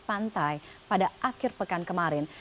pada akhir pekan kemarin